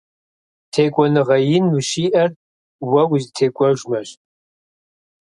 ТекӀуэныгъэ ин ущиӀэр уэ узытекӀуэжмэщ.